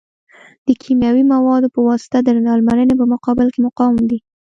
د کیمیاوي موادو په واسطه د درملنې په مقابل کې مقاوم دي.